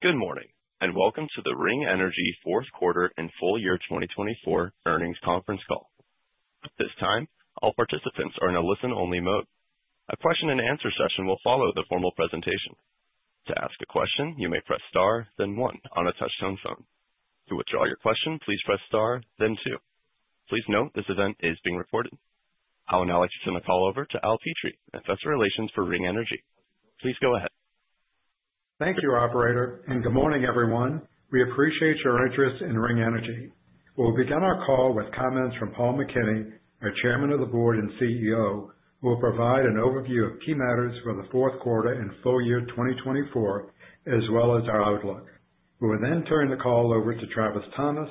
Good morning, and welcome to the Ring Energy Fourth Quarter and full year 2024 Earnings Conference Call. At this time, all participants are in a listen-only mode. A question-and-answer session will follow the formal presentation. To ask a question, you may press star, then one on a touch-tone phone. To withdraw your question, please press star, then two. Please note this event is being recorded. I will now like to turn the call over to Al Petrie, Investor Relations for Ring Energy. Please go ahead. Thank you, Operator, and good morning, everyone. We appreciate your interest in Ring Energy. We'll begin our call with comments from Paul McKinney, our Chairman of the Board and CEO, who will provide an overview of key matters for fourth quarter and full year 2024, as well as our outlook. We will then turn the call over to Travis Thomas,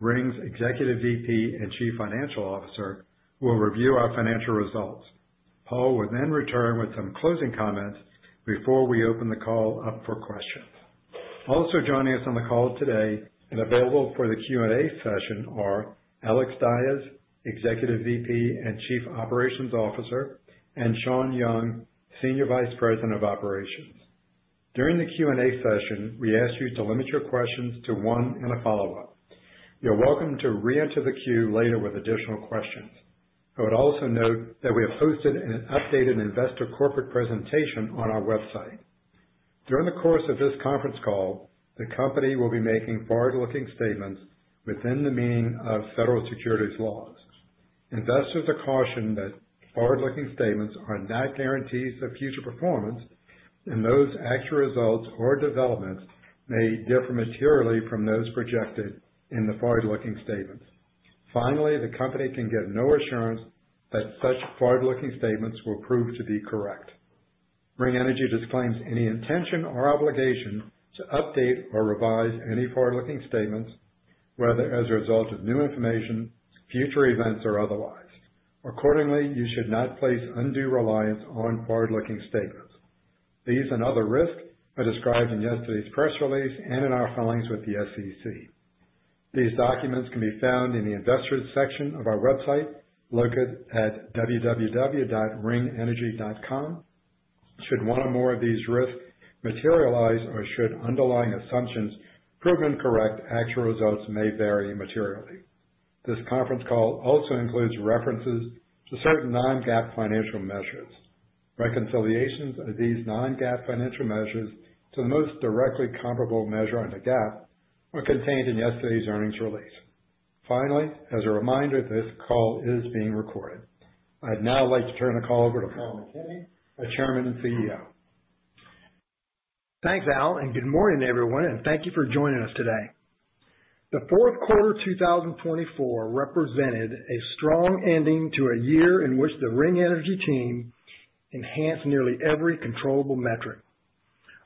Ring's Executive VP and Chief Financial Officer, who will review our financial results. Paul will then return with some closing comments before we open the call up for questions. Also joining us on the call today and available for the Q&A session are Alex Dyes, Executive VP and Chief Operations Officer, and Shawn Young, Senior Vice President of Operations. During the Q&A session, we ask you to limit your questions to one and a follow-up. You're welcome to re-enter the queue later with additional questions. I would also note that we have posted an updated investor corporate presentation on our website. During the course of this conference call, the company will be making forward-looking statements within the meaning of federal securities laws. Investors are cautioned that forward-looking statements are not guarantees of future performance, and those actual results or developments may differ materially from those projected in the forward-looking statements. Finally, the company can give no assurance that such forward-looking statements will prove to be correct. Ring Energy disclaims any intention or obligation to update or revise any forward-looking statements, whether as a result of new information, future events, or otherwise. Accordingly, you should not place undue reliance on forward-looking statements. These and other risks are described in yesterday's press release and in our filings with the SEC. These documents can be found in the Investors section of our website located at www.ringenergy.com. Should one or more of these risks materialize or should underlying assumptions prove incorrect, actual results may vary materially. This conference call also includes references to certain non-GAAP financial measures. Reconciliations of these non-GAAP financial measures to the most directly comparable measure under GAAP are contained in yesterday's earnings release. Finally, as a reminder, this call is being recorded. I'd now like to turn the call over to Paul McKinney, our Chairman and CEO. Thanks, Al, and good morning, everyone, and thank you for joining us today. The fourth quarter 2024 represented a strong ending to a year in which the Ring Energy team enhanced nearly every controllable metric.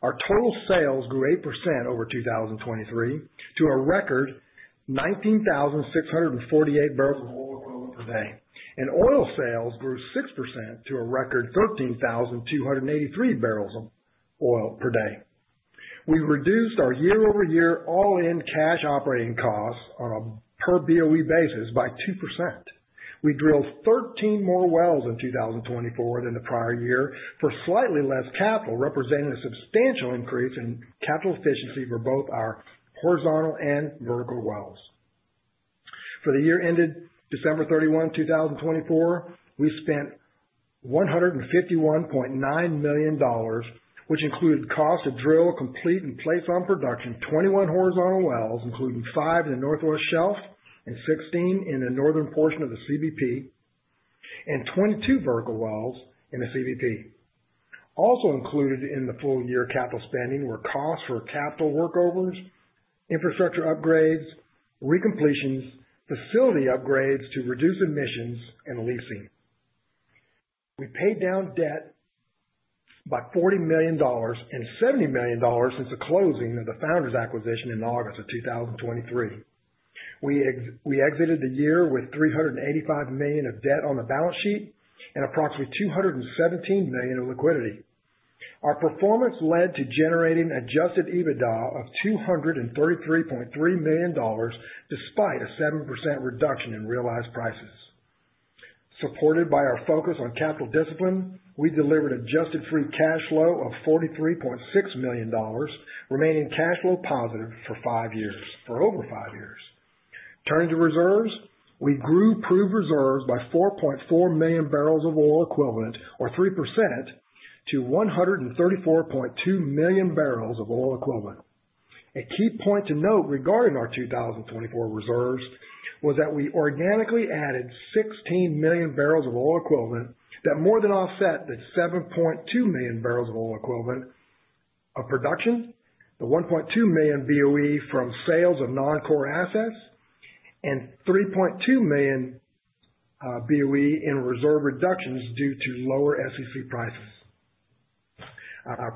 Our total sales grew 8% over 2023 to a record 19,648 barrels of oil per day, and oil sales grew 6% to a record 13,283 barrels of oil per day. We reduced our year-over-year all-in cash operating costs on a per BOE basis by 2%. We drilled 13 more wells in 2024 than the prior year for slightly less capital, representing a substantial increase in capital efficiency for both our horizontal and vertical wells. For the year ended December 31, 2024, we spent $151.9 million, which included cost to drill, complete, and place on production 21 horizontal wells, including five in the Northwest Shelf and 16 in the northern portion of the CBP, and 22 vertical wells in the CBP. Also included in the full year capital spending were costs for capital workovers, infrastructure upgrades, recompletions, facility upgrades to reduce emissions, and leasing. We paid down debt by $40 million and $70 million since the closing of the Founders Acquisition in August of 2023. We exited the year with $385 million of debt on the balance sheet and approximately $217 million of liquidity. Our performance led to generating an adjusted EBITDA of $233.3 million despite a 7% reduction in realized prices. Supported by our focus on capital discipline, we delivered an adjusted free cash flow of $43.6 million, remaining cash flow positive for five years, for over five years. Turning to reserves, we grew proved reserves by 4.4 million barrels of oil equivalent, or 3%, to 134.2 million barrels of oil equivalent. A key point to note regarding our 2024 reserves was that we organically added 16 million barrels of oil equivalent that more than offset the 7.2 million barrels of oil equivalent of production, the 1.2 million BOE from sales of non-core assets, and 3.2 million BOE in reserve reductions due to lower SEC prices.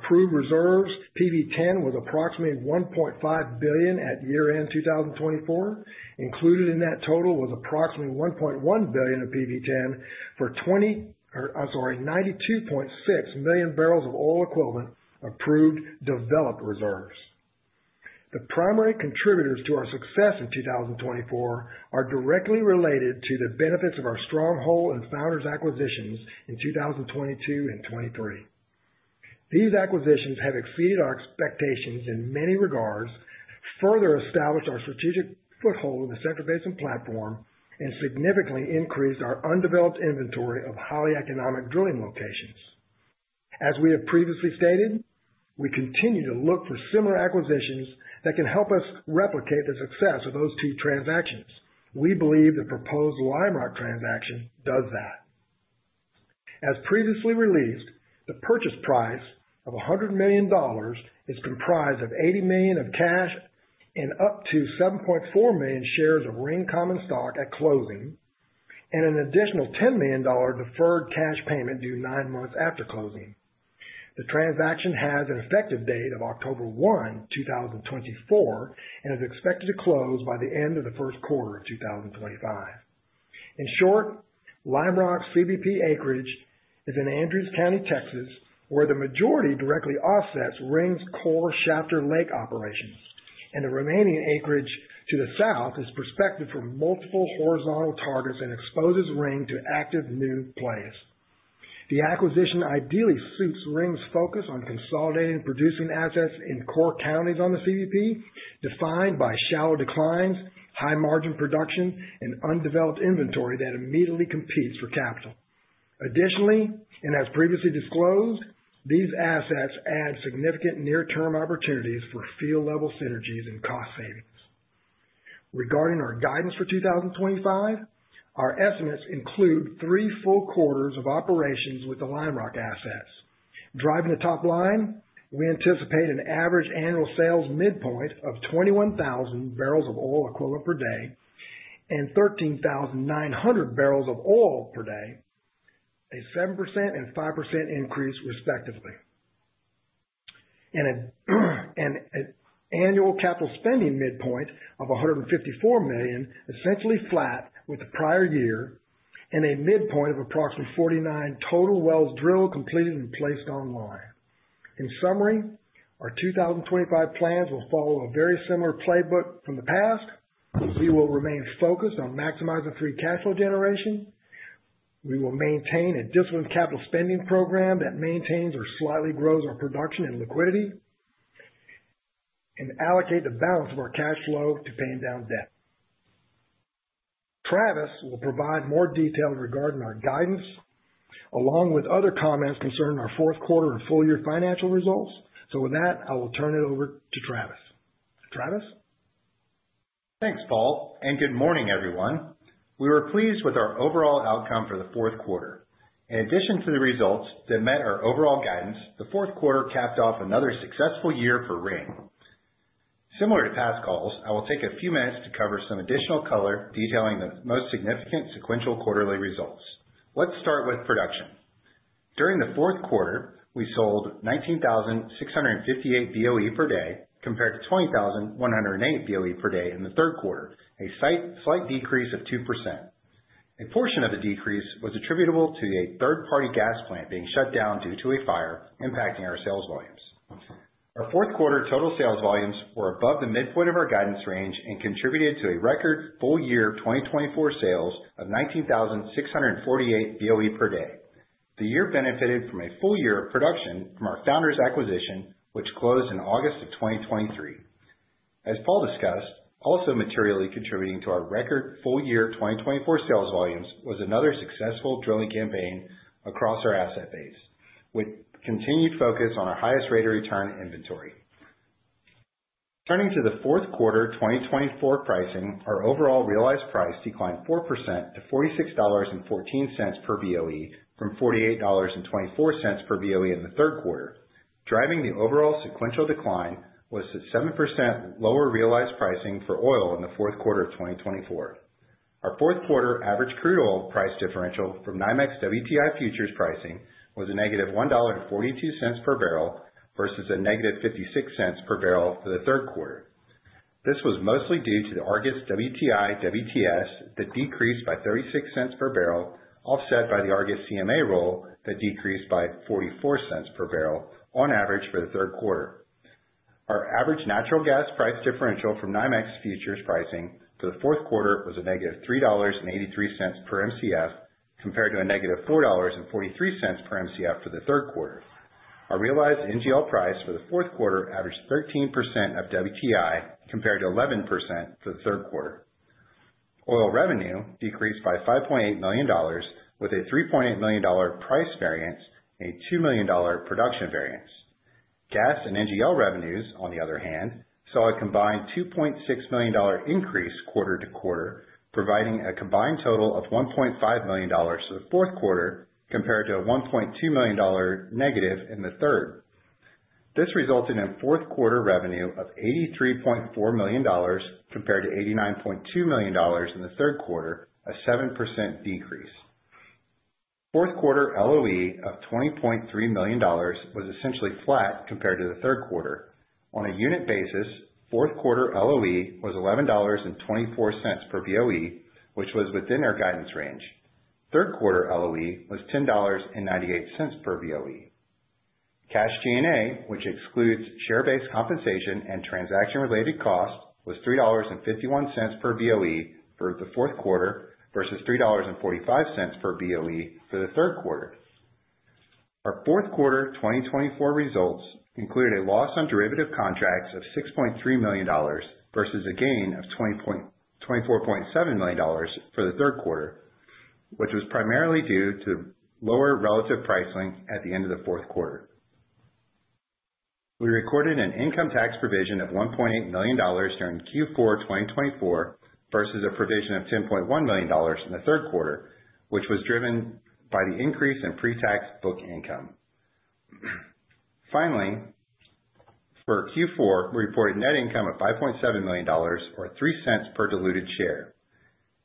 Proved reserves, PV-10, was approximately $1.5 billion at year-end 2024. Included in that total was approximately $1.1 billion of PV-10 for 92.6 million barrels of oil equivalent proved developed reserves. The primary contributors to our success in 2024 are directly related to the benefits of our Stronghold and Founders acquisitions in 2022 and 2023. These acquisitions have exceeded our expectations in many regards, further established our strategic foothold in the Central Basin Platform, and significantly increased our undeveloped inventory of highly economic drilling locations. As we have previously stated, we continue to look for similar acquisitions that can help us replicate the success of those two transactions. We believe the proposed Lime Rock transaction does that. As previously released, the purchase price of $100 million is comprised of $80 million of cash and up to 7.4 million shares of Ring common stock at closing, and an additional $10 million deferred cash payment due nine months after closing. The transaction has an effective date of October 1, 2024, and is expected to close by the end of first quarter of 2025. In short, Lime Rock's CBP acreage is in Andrews County, Texas, where the majority directly offsets Ring's core Shafter Lake operations, and the remaining acreage to the south is prospective for multiple horizontal targets and exposes Ring to active new players. The acquisition ideally suits Ring's focus on consolidating producing assets in core counties on the CBP defined by shallow declines, high-margin production, and undeveloped inventory that immediately competes for capital. Additionally, as previously disclosed, these assets add significant near-term opportunities for field-level synergies and cost savings. Regarding our guidance for 2025, our estimates include three full quarters of operations with the Lime Rock assets. Driving the top line, we anticipate an average annual sales midpoint of 21,000 barrels of oil equivalent per day and 13,900 barrels of oil per day, a 7% and 5% increase respectively. An annual capital spending midpoint of $154 million essentially flat with the prior year and a midpoint of approximately 49 total wells drilled, completed, and placed online. In summary, our 2025 plans will follow a very similar playbook from the past. We will remain focused on maximizing free cash flow generation. We will maintain a disciplined capital spending program that maintains or slightly grows our production and liquidity and allocate the balance of our cash flow to paying down debt. Travis will provide more detail regarding our guidance along with other comments concerning our fourth quarter and full year financial results. With that, I will turn it over to Travis. Travis? Thanks, Paul, and good morning, everyone. We were pleased with our overall outcome for the fourth quarter. In addition to the results that met our overall guidance, the fourth quarter capped off another successful year for Ring. Similar to past calls, I will take a few minutes to cover some additional color detailing the most significant sequential quarterly results. Let's start with production. During the fourth quarter, we sold 19,658 BOE per day compared to 20,108 BOE per day in the third quarter, a slight decrease of 2%. A portion of the decrease was attributable to a third-party gas plant being shut down due to a fire impacting our sales volumes. Our fourth quarter total sales volumes were above the midpoint of our guidance range and contributed to a record full year 2024 sales of 19,648 BOE per day. The year benefited from a full year production from our Founders Acquisition, which closed in August of 2023. As Paul discussed, also materially contributing to our record full year 2024 sales volumes was another successful drilling campaign across our asset base, with continued focus on our highest rate of return inventory. Turning to the fourth quarter 2024 pricing, our overall realized price declined 4% to $46.14 per BOE from $48.24 per BOE in the third quarter. Driving the overall sequential decline was the 7% lower realized pricing for oil in the fourth quarter of 2024. Our fourth quarter average crude oil price differential from NYMEX WTI Futures pricing was a negative $1.42 per barrel versus a negative $0.56 per barrel for the third quarter. This was mostly due to the Argus WTI WTS that decreased by $0.36 per barrel, offset by the Argus CMA roll that decreased by $0.44 per barrel on average for the third quarter. Our average natural gas price differential from NYMEX Futures pricing for the fourth quarter was a negative $3.83 per MCF compared to a negative $4.43 per MCF for the third quarter. Our realized NGL price for the fourth quarter averaged 13% of WTI compared to 11% for the third quarter. Oil revenue decreased by $5.8 million, with a $3.8 million price variance and a $2 million production variance. Gas and NGL revenues, on the other hand, saw a combined $2.6 million increase quarter-to-quarter, providing a combined total of $1.5 million for the fourth quarter compared to a $1.2 million negative in the third quarter. This resulted in fourth quarter revenue of $83.4 million compared to $89.2 million in the third quarter, a 7% decrease. Fourth quarter LOE of $20.3 million was essentially flat compared to the third quarter. On a unit basis, fourth quarter LOE was $11.24 per BOE, which was within our guidance range. Third quarter LOE was $10.98 per BOE. Cash G&A, which excludes share-based compensation and transaction-related costs, was $3.51 per BOE for the fourth quarter versus $3.45 per BOE for the third quarter. Our fourth quarter 2024 results included a loss on derivative contracts of $6.3 million versus a gain of $24.7 million for the third quarter, which was primarily due to lower relative pricing at the end of the fourth quarter. We recorded an income tax provision of $1.8 million during Q4 2024 versus a provision of $10.1 million in the third quarter, which was driven by the increase in pre-tax book income. Finally, for Q4, we reported net income of $5.7 million, or $0.03 per diluted share.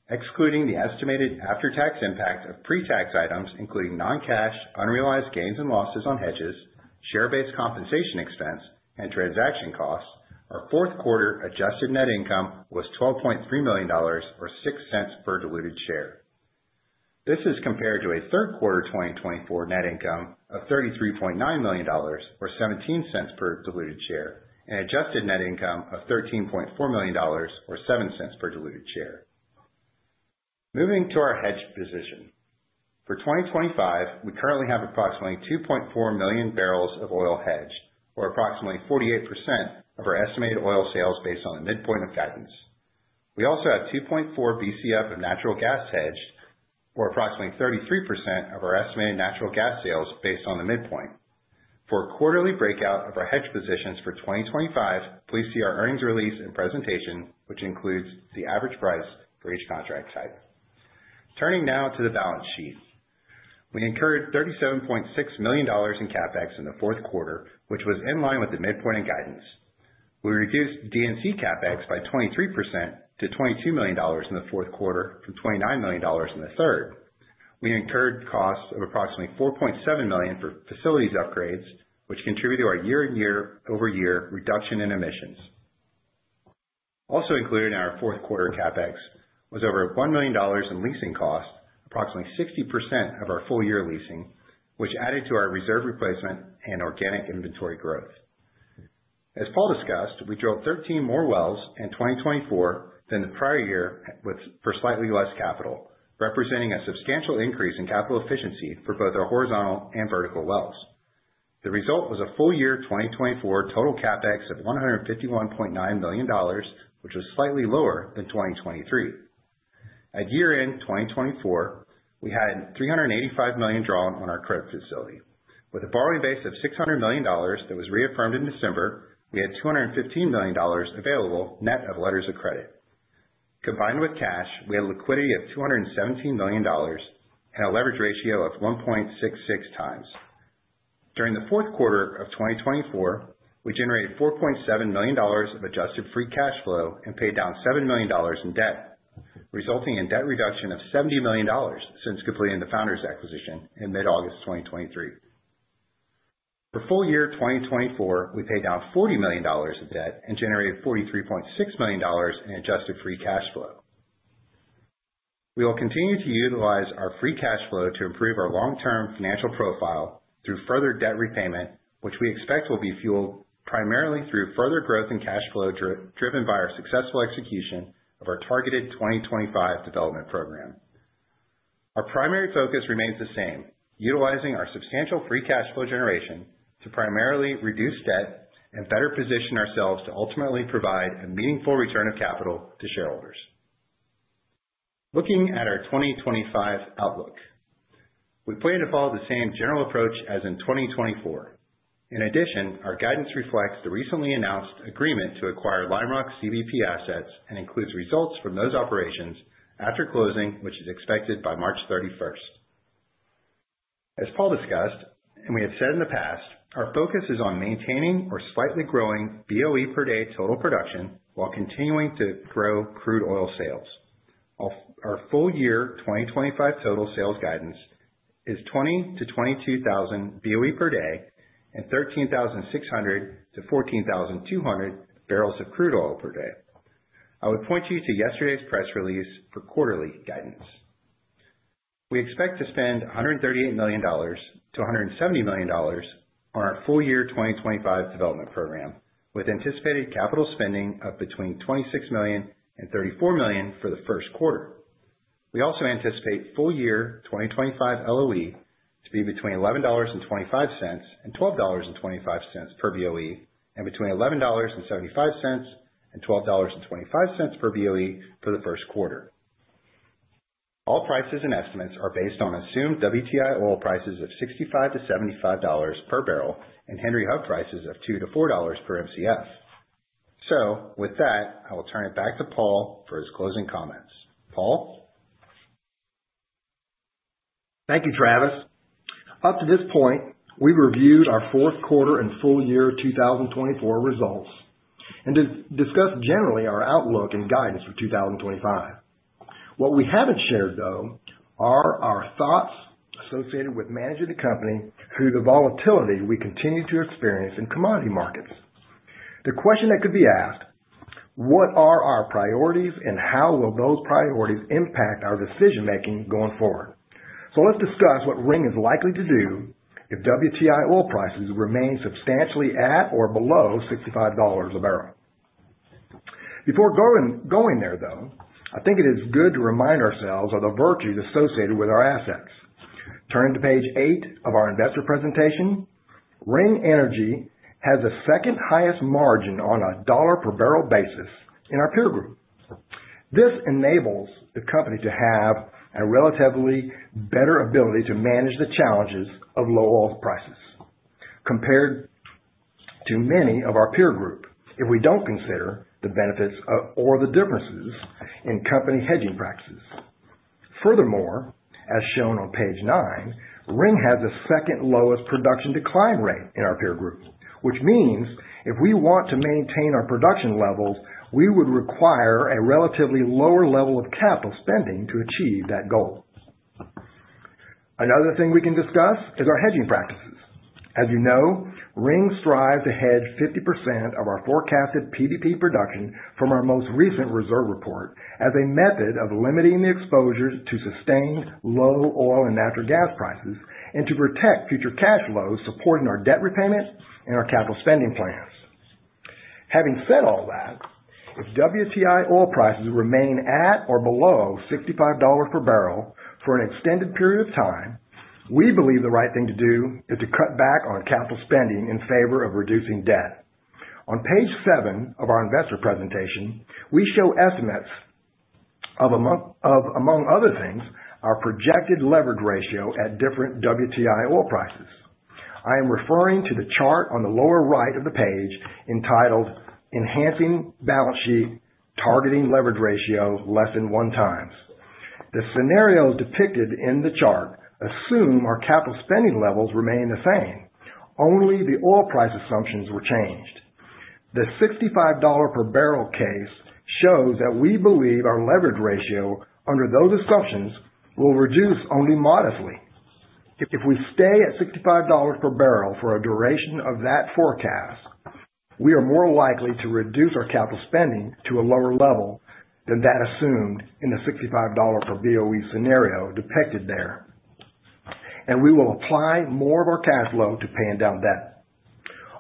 Excluding the estimated after-tax impact of pre-tax items, including non-cash, unrealized gains and losses on hedges, share-based compensation expense, and transaction costs, our fourth quarter adjusted net income was $12.3million, or $0.06 per diluted share. This is compared to a third quarter 2024 net income of $33.9 million, or $0.17 per diluted share, and adjusted net income of $13.4 million, or $0.07 per diluted share. Moving to our hedge position. For 2025, we currently have approximately 2.4 million barrels of oil hedged, or approximately 48% of our estimated oil sales based on the midpoint of guidance. We also have 2.4 BCF of natural gas hedged, or approximately 33% of our estimated natural gas sales based on the midpoint. For quarterly breakout of our hedge positions for 2025, please see our earnings release and presentation, which includes the average price for each contract type. Turning now to the balance sheet. We incurred $37.6 million in CapEx in the fourth quarter, which was in line with the midpoint in guidance. We reduced D&C CapEx by 23% to $22 million in the fourth quarter from $29 million in the third quarter. We incurred costs of approximately $4.7 million for facilities upgrades, which contribute to our year-over-year reduction in emissions. Also included in our fourth quarter CapEx was over $1 million in leasing costs, approximately 60% of our full year leasing, which added to our reserve replacement and organic inventory growth. As Paul discussed, we drilled 13 more wells in 2024 than the prior year for slightly less capital, representing a substantial increase in capital efficiency for both our horizontal and vertical wells. The result was a full year 2024 total CapEx of $151.9 million, which was slightly lower than 2023. At year-end 2024, we had $385 million drawn on our credit facility. With a borrowing base of $600 million that was reaffirmed in December, we had $215 million available net of letters of credit. Combined with cash, we had a liquidity of $217 million and a leverage ratio of 1.66x. During the fourth quarter of 2024, we generated $4.7 million of adjusted free cash flow and paid down $7 million in debt, resulting in debt reduction of $70 million since completing the Founders Acquisition in mid-August 2023. For full year 2024, we paid down $40 million in debt and generated $43.6 million in adjusted free cash flow. We will continue to utilize our free cash flow to improve our long-term financial profile through further debt repayment, which we expect will be fueled primarily through further growth in cash flow driven by our successful execution of our targeted 2025 development program. Our primary focus remains the same, utilizing our substantial free cash flow generation to primarily reduce debt and better position ourselves to ultimately provide a meaningful return of capital to shareholders. Looking at our 2025 outlook, we plan to follow the same general approach as in 2024. In addition, our guidance reflects the recently announced agreement to acquire Lime Rock CBP assets and includes results from those operations after closing, which is expected by March 31st. As Paul discussed, and we have said in the past, our focus is on maintaining or slightly growing BOE per day total production while continuing to grow crude oil sales. Our full year 2025 total sales guidance is 20,000-22,000 BOE per day and 13,600-14,200 barrels of crude oil per day. I would point you to yesterday's press release for quarterly guidance. We expect to spend $138 million-$170 million on our full year 2025 development program, with anticipated capital spending of between $26 million and $34 million for the first quarter. We also anticipate full year 2025 LOE to be between $11.25 and $12.25 per BOE and between $11.75 and $12.25 per BOE for the first quarter. All prices and estimates are based on assumed WTI oil prices of $65-$75 per barrel and Henry Hub prices of $2-$4 per MCF. With that, I will turn it back to Paul for his closing comments. Paul? Thank you, Travis. Up to this point, we've reviewed our fourth quarter and full year 2024 results and discussed generally our outlook and guidance for 2025. What we haven't shared, though, are our thoughts associated with managing the company through the volatility we continue to experience in commodity markets. The question that could be asked, what are our priorities and how will those priorities impact our decision-making going forward? Let's discuss what Ring is likely to do if WTI oil prices remain substantially at or below $65 a barrel. Before going there, though, I think it is good to remind ourselves of the virtues associated with our assets. Turning to page 8 of our investor presentation, Ring Energy has the second highest margin on a dollar-per-barrel basis in our peer group. This enables the company to have a relatively better ability to manage the challenges of low oil prices compared to many of our peer group if we do not consider the benefits or the differences in company hedging practices. Furthermore, as shown on page nine, Ring has the second lowest production decline rate in our peer group, which means if we want to maintain our production levels, we would require a relatively lower level of capital spending to achieve that goal. Another thing we can discuss is our hedging practices. As you know, Ring strives to hedge 50% of our forecasted PDP production from our most recent reserve report as a method of limiting the exposure to sustained low oil and natural gas prices and to protect future cash flows supporting our debt repayment and our capital spending plans. Having said all that, if WTI oil prices remain at or below $65 per barrel for an extended period of time, we believe the right thing to do is to cut back on capital spending in favor of reducing debt. On page seven of our investor presentation, we show estimates of, among other things, our projected leverage ratio at different WTI oil prices. I am referring to the chart on the lower right of the page entitled Enhancing Balance Sheet Targeting Leverage Ratio Less Than One Times. The scenarios depicted in the chart assume our capital spending levels remain the same; only the oil price assumptions were changed. The $65 per barrel case shows that we believe our leverage ratio under those assumptions will reduce only modestly. If we stay at $65 per barrel for a duration of that forecast, we are more likely to reduce our capital spending to a lower level than that assumed in the $65 per BOE scenario depicted there, and we will apply more of our cash flow to paying down debt.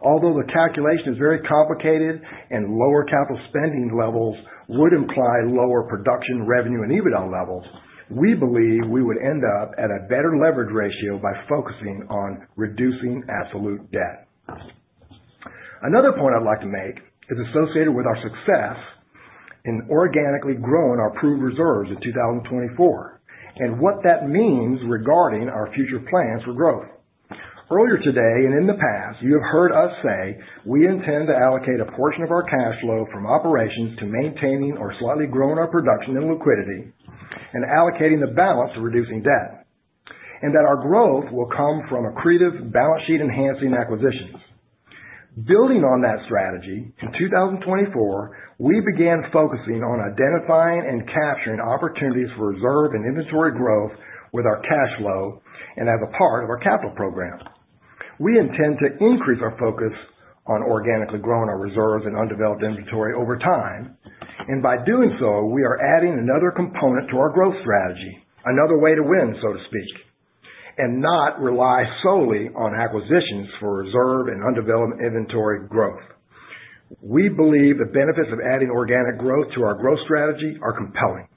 Although the calculation is very complicated and lower capital spending levels would imply lower production revenue and EBITDA levels, we believe we would end up at a better leverage ratio by focusing on reducing absolute debt. Another point I'd like to make is associated with our success in organically growing our proved reserves in 2024 and what that means regarding our future plans for growth. Earlier today and in the past, you have heard us say we intend to allocate a portion of our cash flow from operations to maintaining or slightly growing our production and liquidity and allocating the balance to reducing debt, and that our growth will come from accretive balance sheet enhancing acquisitions. Building on that strategy, in 2024, we began focusing on identifying and capturing opportunities for reserve and inventory growth with our cash flow and as a part of our capital program. We intend to increase our focus on organically growing our reserves and undeveloped inventory over time, and by doing so, we are adding another component to our growth strategy, another way to win, so to speak, and not rely solely on acquisitions for reserve and undeveloped inventory growth. We believe the benefits of adding organic growth to our growth strategy are compelling.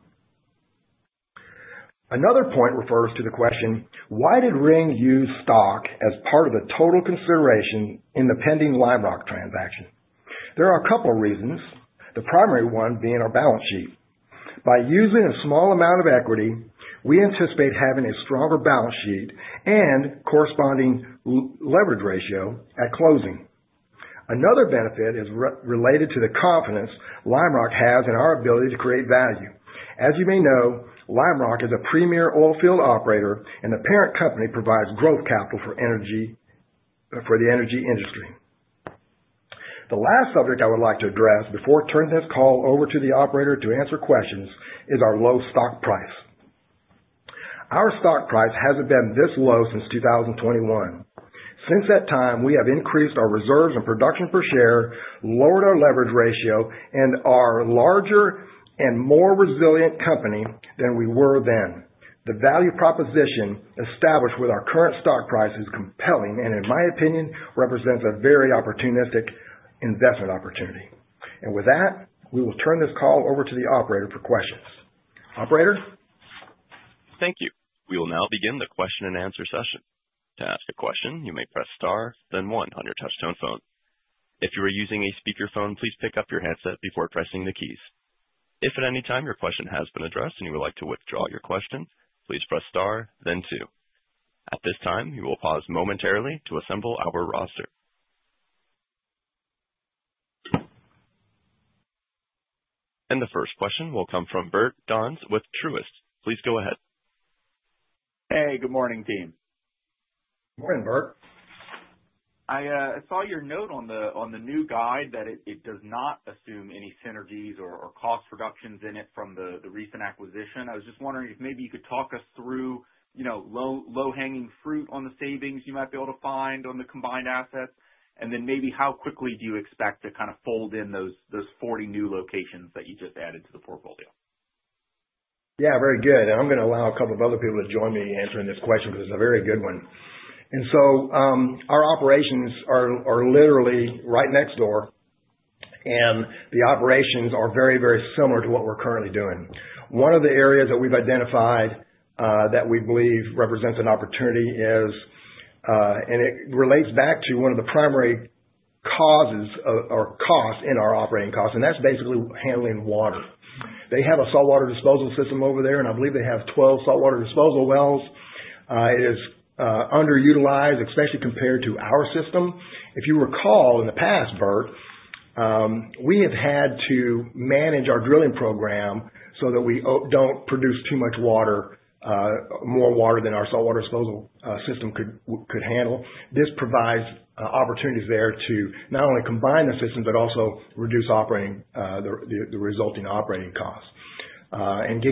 Another point refers to the question, why did Ring use stock as part of the total consideration in the pending Lime Rock transaction? There are a couple of reasons, the primary one being our balance sheet. By using a small amount of equity, we anticipate having a stronger balance sheet and corresponding leverage ratio at closing. Another benefit is related to the confidence Lime Rock has in our ability to create value. As you may know, Lime Rock is a premier oil field operator, and the parent company provides growth capital for the energy industry. The last subject I would like to address before turning this call over to the operator to answer questions is our low stock price. Our stock price has not been this low since 2021. Since that time, we have increased our reserves and production per share, lowered our leverage ratio, and are a larger and more resilient company than we were then. The value proposition established with our current stock price is compelling and, in my opinion, represents a very opportunistic investment opportunity. With that, we will turn this call over to the operator for questions. Operator? Thank you. We will now begin the question-and-answer session. To ask a question, you may press star, then one on your touch-tone phone. If you are using a speakerphone, please pick up your headset before pressing the keys. If at any time your question has been addressed and you would like to withdraw your question, please press star, then two. At this time, we will pause momentarily to assemble our roster. The first question will come from Bert Donnes with Truist. Please go ahead. Hey, good morning, team. Good morning, Bert. I saw your note on the new guide that it does not assume any synergies or cost reductions in it from the recent acquisition. I was just wondering if maybe you could talk us through low-hanging fruit on the savings you might be able to find on the combined assets, and then maybe how quickly do you expect to kind of fold in those 40 new locations that you just added to the portfolio? Yeah, very good. I'm going to allow a couple of other people to join me answering this question because it's a very good one. Our operations are literally right next door, and the operations are very, very similar to what we're currently doing. One of the areas that we've identified that we believe represents an opportunity is, and it relates back to one of the primary causes or costs in our operating costs, and that's basically handling water. They have a saltwater disposal system over there, and I believe they have 12 saltwater disposal wells. It is underutilized, especially compared to our system. If you recall in the past, Bert, we have had to manage our drilling program so that we don't produce too much water, more water than our saltwater disposal system could handle. This provides opportunities there to not only combine the system but also reduce the resulting operating costs. If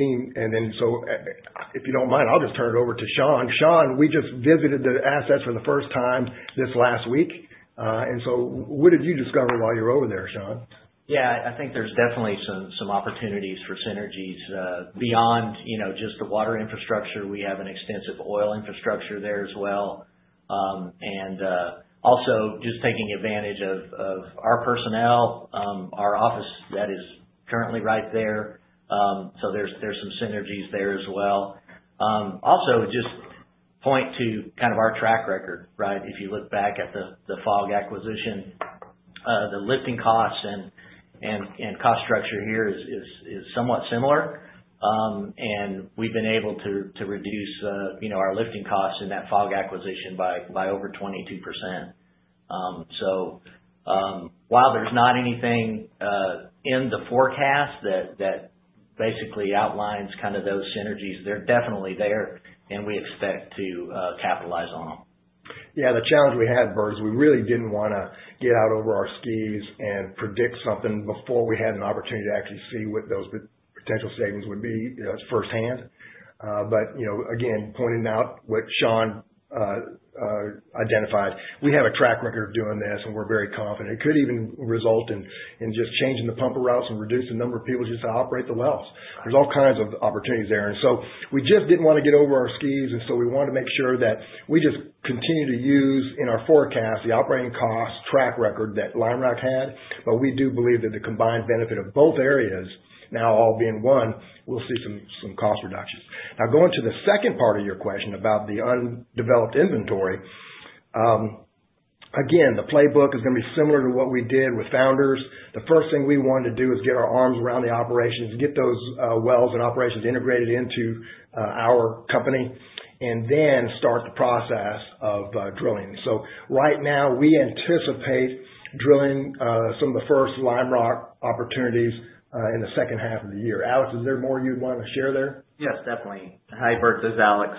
you do not mind, I will just turn it over to Shawn. Shawn, we just visited the assets for the first time this last week. What did you discover while you were over there, Shawn? Yeah, I think there's definitely some opportunities for synergies beyond just the water infrastructure. We have an extensive oil infrastructure there as well. Also just taking advantage of our personnel, our office that is currently right there. There's some synergies there as well. Also, just point to kind of our track record, right? If you look back at the FOG acquisition, the lifting costs and cost structure here is somewhat similar. We've been able to reduce our lifting costs in that FOG acquisition by over 22%. While there's not anything in the forecast that basically outlines kind of those synergies, they're definitely there, and we expect to capitalize on them. Yeah, the challenge we had, Bert, is we really didn't want to get out over our skis and predict something before we had an opportunity to actually see what those potential savings would be firsthand. Again, pointing out what Shawn identified, we have a track record of doing this, and we're very confident it could even result in just changing the pumper routes and reducing the number of people just to operate the wells. There's all kinds of opportunities there. We just didn't want to get over our skis, and we wanted to make sure that we just continue to use in our forecast the operating cost track record that Lime Rock had. We do believe that the combined benefit of both areas now all being one, we'll see some cost reductions. Now, going to the second part of your question about the undeveloped inventory, again, the playbook is going to be similar to what we did with Founders. The first thing we wanted to do is get our arms around the operations, get those wells and operations integrated into our company, and then start the process of drilling. Right now, we anticipate drilling some of the first Lime Rock opportunities in the H2 of the year. Alex, is there more you'd want to share there? Yes, definitely. Hi, Bert, this is Alex.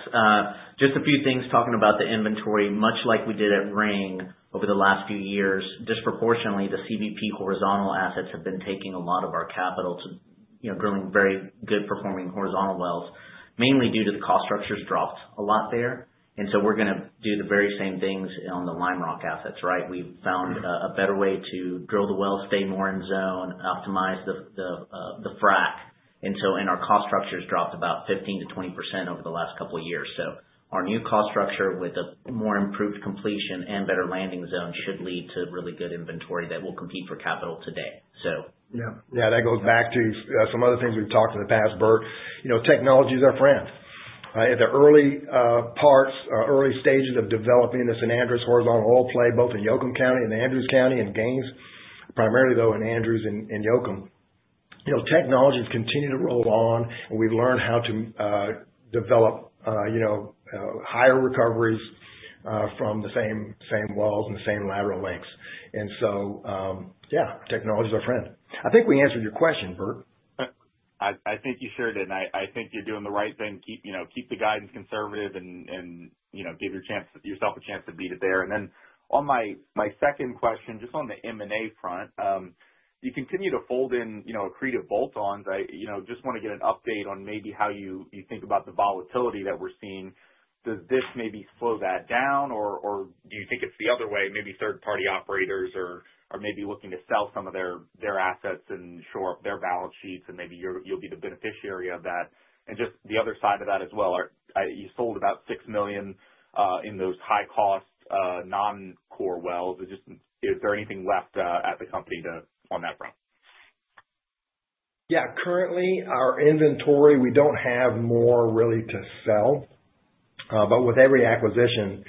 Just a few things talking about the inventory, much like we did at Ring over the last few years, disproportionately, the CBP horizontal assets have been taking a lot of our capital to drilling very good-performing horizontal wells, mainly due to the cost structures dropped a lot there. We are going to do the very same things on the Lime Rock assets, right? We have found a better way to drill the well, stay more in zone, optimize the frack. Our cost structures dropped about 15%-20% over the last couple of years. Our new cost structure with a more improved completion and better landing zone should lead to really good inventory that will compete for capital today. Yeah, that goes back to some other things we've talked in the past, Bert. Technology is our friend. At the early parts, early stages of developing the San Andres horizontal oil play, both in Yoakum County and Andrews County and Gaines, primarily though in Andrews and Yoakum, technology has continued to roll on, and we've learned how to develop higher recoveries from the same wells and the same lateral lengths. Yeah, technology is our friend. I think we answered your question, Bert. I think you sure did. I think you're doing the right thing. Keep the guidance conservative and give yourself a chance to beat it there. On my second question, just on the M&A front, you continue to fold in accretive boltons. I just want to get an update on maybe how you think about the volatility that we're seeing. Does this maybe slow that down, or do you think it's the other way, maybe third-party operators are maybe looking to sell some of their assets and shore up their balance sheets, and maybe you'll be the beneficiary of that? Just the other side of that as well, you sold about $6 million in those high-cost non-core wells. Is there anything left at the company on that front? Yeah, currently, our inventory, we don't have more really to sell. With every acquisition,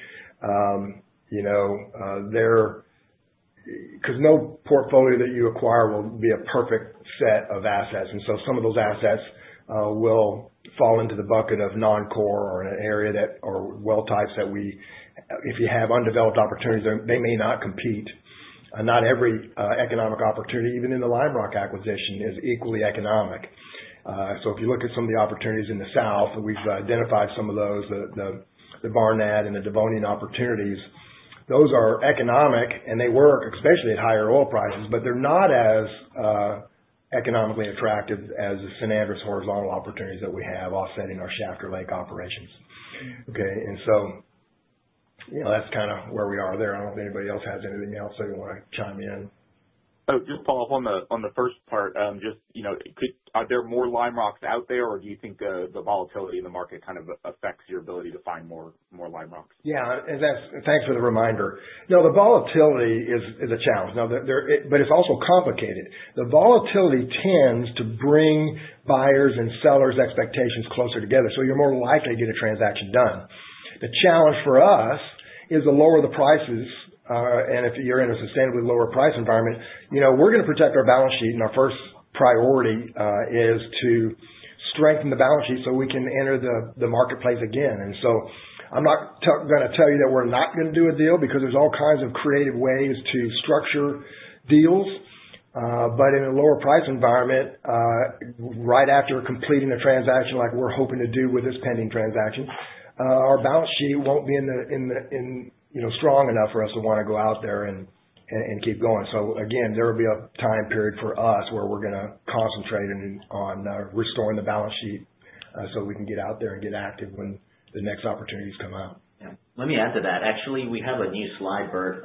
because no portfolio that you acquire will be a perfect set of assets. Some of those assets will fall into the bucket of non-core or well types that, if you have undeveloped opportunities, they may not compete. Not every economic opportunity, even in the Lime Rock acquisition, is equally economic. If you look at some of the opportunities in the south, we've identified some of those, the Barnett and the Devonian opportunities. Those are economic, and they work, especially at higher oil prices, but they're not as economically attractive as the San Andres horizontal opportunities that we have offsetting our Shafter Lake operations. Okay? That's kind of where we are there. I don't think anybody else has anything else they want to chime in. Just follow up on the first part. Are there more Lime Rocks out there, or do you think the volatility in the market kind of affects your ability to find more Lime Rocks? Yeah, thanks for the reminder. No, the volatility is a challenge. It is also complicated. The volatility tends to bring buyers' and sellers' expectations closer together, so you're more likely to get a transaction done. The challenge for us is to lower the prices. If you're in a sustainably lower price environment, we're going to protect our balance sheet, and our first priority is to strengthen the balance sheet so we can enter the marketplace again. I'm not going to tell you that we're not going to do a deal because there are all kinds of creative ways to structure deals. In a lower price environment, right after completing a transaction like we're hoping to do with this pending transaction, our balance sheet won't be strong enough for us to want to go out there and keep going. There will be a time period for us where we're going to concentrate on restoring the balance sheet so we can get out there and get active when the next opportunities come out. Yeah. Let me add to that. Actually, we have a new slide, Bert,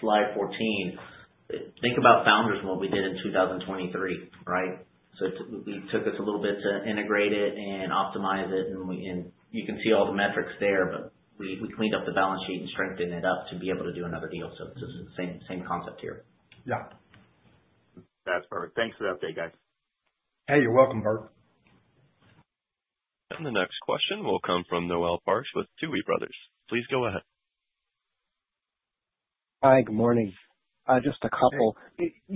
slide 14. Think about Founders and what we did in 2023, right? It took us a little bit to integrate it and optimize it. You can see all the metrics there, but we cleaned up the balance sheet and strengthened it up to be able to do another deal. It is the same concept here. Yeah. That's perfect. Thanks for the update, guys. Hey, you're welcome, Bert. The next question will come from Noel Parks with Tuohy Brothers. Please go ahead. Hi, good morning. Just a couple. Just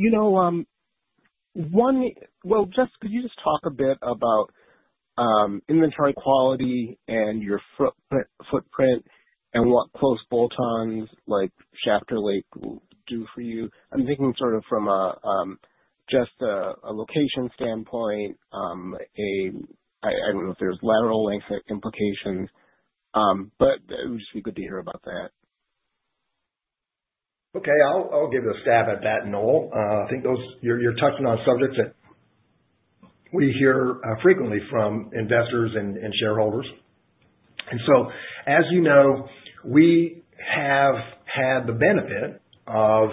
could you just talk a bit about inventory quality and your footprint and what close boltons like Shafter Lake do for you? I'm thinking sort of from just a location standpoint. I don't know if there's lateral length implications, but it would just be good to hear about that. Okay, I'll give a stab at that, Noel. I think you're touching on subjects that we hear frequently from investors and shareholders. As you know, we have had the benefit of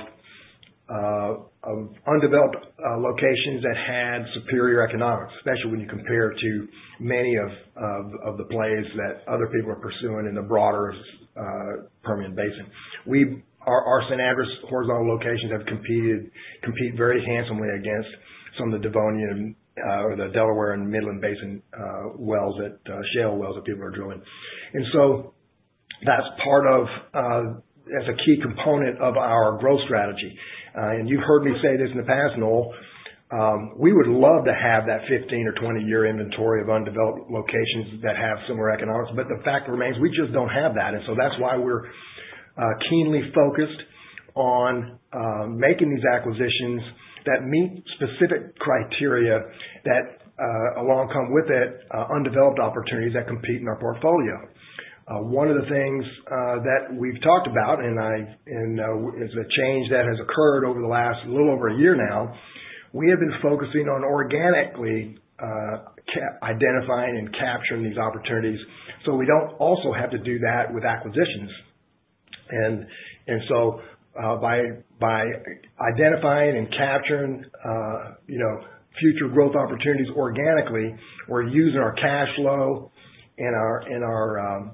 undeveloped locations that had superior economics, especially when you compare to many of the plays that other people are pursuing in the broader Permian Basin. Our San Andres horizontal locations have competed very handsomely against some of the Devonian or the Delaware and Midland Basin wells, the shale wells that people are drilling. That is part of, as a key component of our growth strategy. You've heard me say this in the past, Noel, we would love to have that 15- or 20-year inventory of undeveloped locations that have similar economics. The fact remains, we just don't have that. That is why we are keenly focused on making these acquisitions that meet specific criteria that along come with it, undeveloped opportunities that compete in our portfolio. One of the things that we have talked about, and it is a change that has occurred over the last little over a year now, we have been focusing on organically identifying and capturing these opportunities so we do not also have to do that with acquisitions. By identifying and capturing future growth opportunities organically, we are using our cash flow and our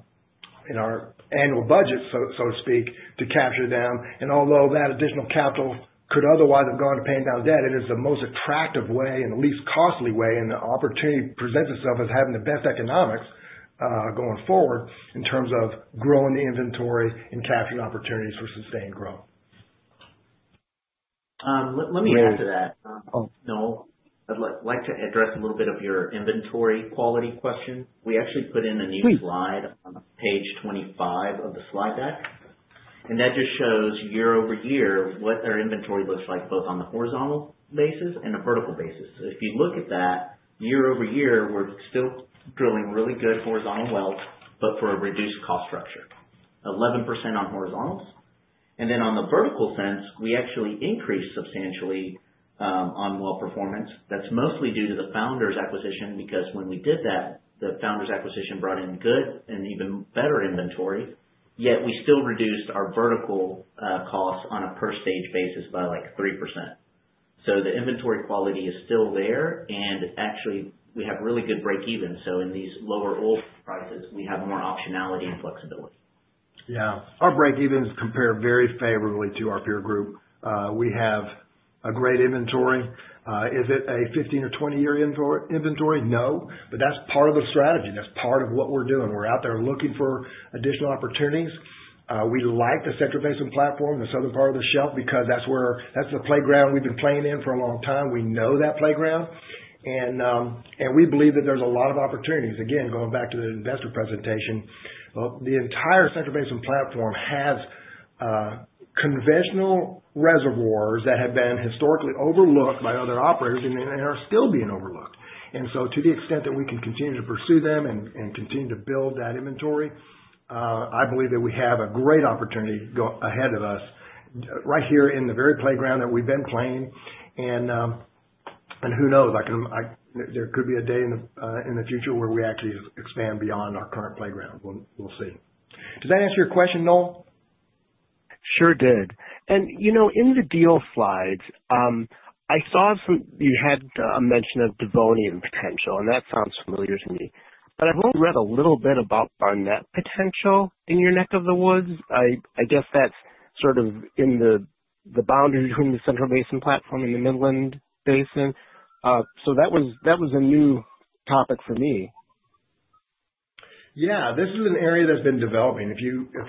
annual budget, so to speak, to capture them. Although that additional capital could otherwise have gone to paying down debt, it is the most attractive way and the least costly way, and the opportunity presents itself as having the best economics going forward in terms of growing the inventory and capturing opportunities for sustained growth. Let me add to that, Noel, I'd like to address a little bit of your inventory quality question. We actually put in a new slide on page 25 of the slide deck. That just shows year-over-year what our inventory looks like both on the horizontal basis and the vertical basis. If you look at that, year-over-year, we're still drilling really good horizontal wells, but for a reduced cost structure, 11% on horizontals. In the vertical sense, we actually increased substantially on well performance. That's mostly due to the Founders acquisition because when we did that, the Founders acquisition brought in good and even better inventory, yet we still reduced our vertical costs on a per-stage basis by like 3%. The inventory quality is still there, and actually, we have really good break-even. In these lower oil prices, we have more optionality and flexibility. Yeah. Our break-evens compare very favorably to our peer group. We have a great inventory. Is it a 15 or 20-year inventory? No. That is part of the strategy. That is part of what we are doing. We are out there looking for additional opportunities. We like the Central Basin Platform, the southern part of the shelf, because that is the playground we have been playing in for a long time. We know that playground. We believe that there are a lot of opportunities. Again, going back to the investor presentation, the entire Central Basin Platform has conventional reservoirs that have been historically overlooked by other operators and are still being overlooked. To the extent that we can continue to pursue them and continue to build that inventory, I believe that we have a great opportunity ahead of us right here in the very playground that we have been playing. Who knows? There could be a day in the future where we actually expand beyond our current playground. We'll see. Does that answer your question, Noel? Sure did. In the deal slides, I saw you had a mention of Devonian potential, and that sounds familiar to me. I have only read a little bit about Barnett potential in your neck of the woods. I guess that is sort of in the boundary between the Central Basin Platform and the Midland Basin. That was a new topic for me. Yeah. This is an area that's been developing. If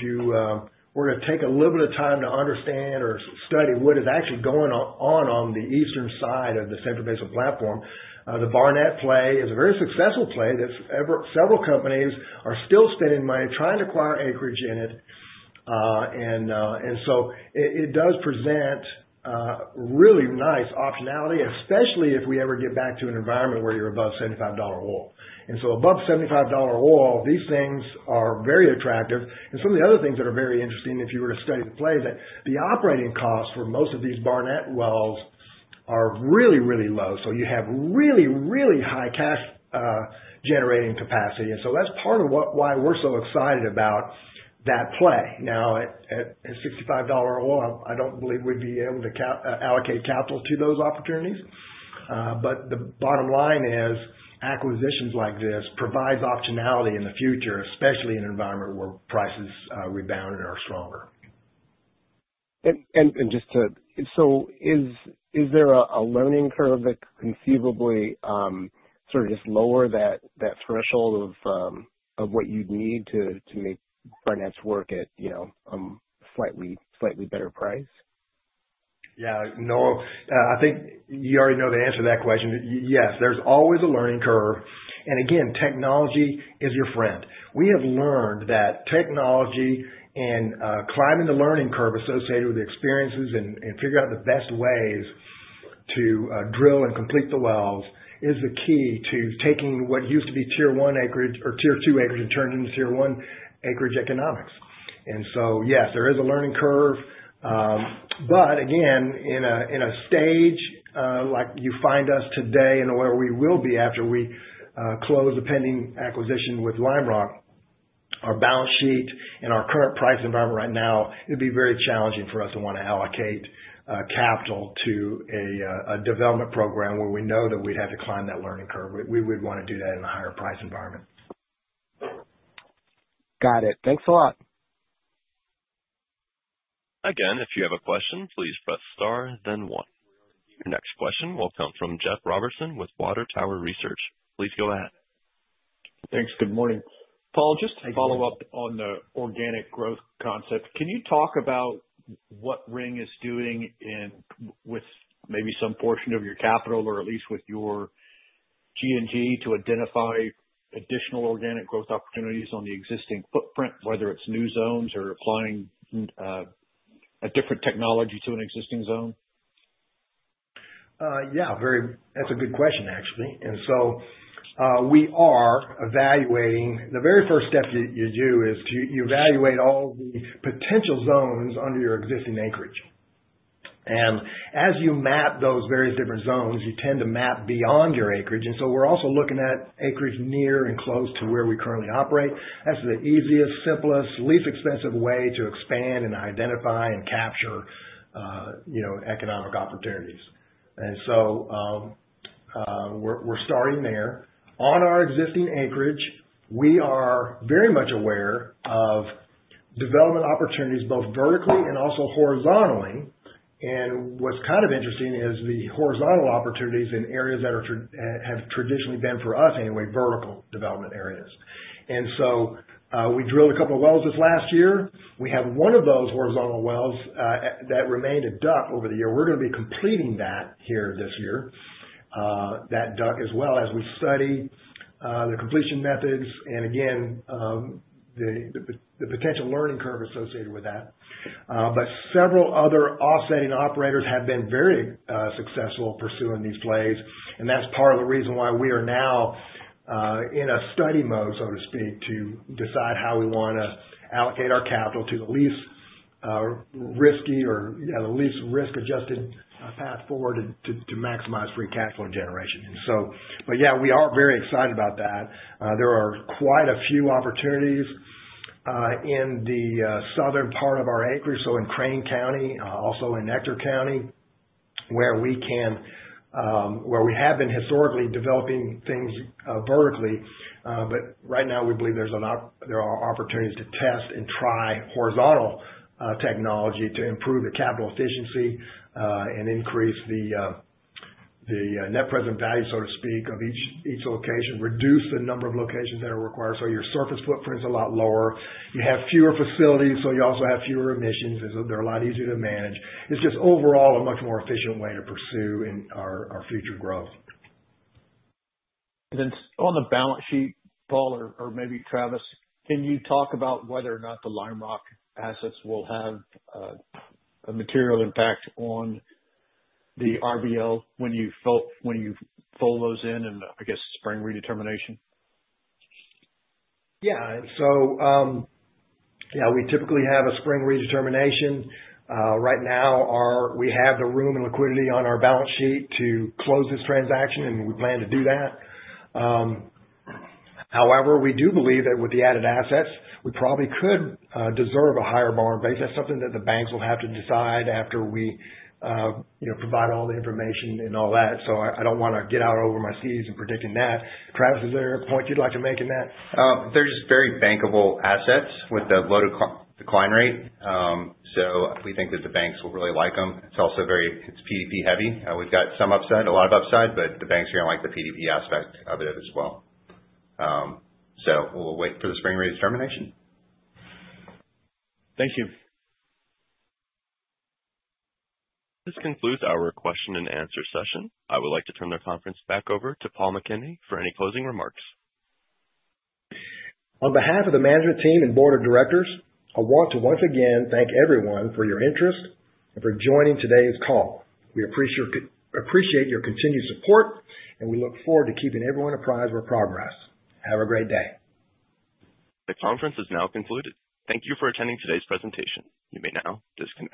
you were to take a little bit of time to understand or study what is actually going on on the eastern side of the Central Basin Platform, the Barnett play is a very successful play that several companies are still spending money trying to acquire acreage in it. It does present really nice optionality, especially if we ever get back to an environment where you're above $75 oil. Above $75 oil, these things are very attractive. Some of the other things that are very interesting, if you were to study the play, is that the operating costs for most of these Barnett wells are really, really low. You have really, really high cash-generating capacity. That is part of why we're so excited about that play. Now, at $65 oil, I don't believe we'd be able to allocate capital to those opportunities. The bottom line is acquisitions like this provide optionality in the future, especially in an environment where prices rebound and are stronger. Just to—so is there a learning curve that conceivably sort of just lowers that threshold of what you'd need to make Barnett's work at a slightly better price? Yeah, Noel, I think you already know the answer to that question. Yes, there's always a learning curve. Again, technology is your friend. We have learned that technology and climbing the learning curve associated with the experiences and figuring out the best ways to drill and complete the wells is the key to taking what used to be tier one acreage or tier two acreage and turning it into tier one acreage economics. Yes, there is a learning curve. Again, in a stage like you find us today and where we will be after we close the pending acquisition with Lime Rock, our balance sheet and our current price environment right now, it'd be very challenging for us to want to allocate capital to a development program where we know that we'd have to climb that learning curve. We would want to do that in a higher price environment. Got it. Thanks a lot. Again, if you have a question, please press star, then one. Your next question will come from Jeff Robertson with Water Tower Research. Please go ahead. Thanks. Good morning. Paul, just to follow up on the organic growth concept, can you talk about what Ring is doing with maybe some portion of your capital or at least with your G&G to identify additional organic growth opportunities on the existing footprint, whether it's new zones or applying a different technology to an existing zone? Yeah, that's a good question, actually. We are evaluating. The very first step you do is you evaluate all the potential zones under your existing acreage. As you map those various different zones, you tend to map beyond your acreage. We are also looking at acreage near and close to where we currently operate. That's the easiest, simplest, least expensive way to expand and identify and capture economic opportunities. We are starting there. On our existing acreage, we are very much aware of development opportunities both vertically and also horizontally. What's kind of interesting is the horizontal opportunities in areas that have traditionally been, for us anyway, vertical development areas. We drilled a couple of wells this last year. We have one of those horizontal wells that remained a DUC over the year. We're going to be completing that here this year, that DUC as well, as we study the completion methods and, again, the potential learning curve associated with that. Several other offsetting operators have been very successful pursuing these plays. That is part of the reason why we are now in a study mode, so to speak, to decide how we want to allocate our capital to the least risky or the least risk-adjusted path forward to maximize free capital generation. Yeah, we are very excited about that. There are quite a few opportunities in the southern part of our acreage, so in Crane County, also in Winkler County, where we have been historically developing things vertically. Right now, we believe there are opportunities to test and try horizontal technology to improve the capital efficiency and increase the net present value, so to speak, of each location, reduce the number of locations that are required. Your surface footprint is a lot lower. You have fewer facilities, so you also have fewer emissions. They are a lot easier to manage. It is just overall a much more efficient way to pursue our future growth. On the balance sheet, Paul, or maybe Travis, can you talk about whether or not the Lime Rock assets will have a material impact on the RBL when you fold those in and, I guess, spring redetermination? Yeah. Yeah, we typically have a spring redetermination. Right now, we have the room and liquidity on our balance sheet to close this transaction, and we plan to do that. However, we do believe that with the added assets, we probably could deserve a higher borrowing base. That is something that the banks will have to decide after we provide all the information and all that. I do not want to get out over my skis in predicting that. Travis, is there a point you would like to make in that? They're just very bankable assets with a low decline rate. We think that the banks will really like them. It's also very PDP-heavy. We've got some upside, a lot of upside, but the banks are going to like the PDP aspect of it as well. We'll wait for the spring redetermination. Thank you. This concludes our question-and-answer session. I would like to turn the conference back over to Paul McKinney for any closing remarks. On behalf of the management team and board of directors, I want to once again thank everyone for your interest and for joining today's call. We appreciate your continued support, and we look forward to keeping everyone apprised of our progress. Have a great day. The conference is now concluded. Thank you for attending today's presentation. You may now disconnect.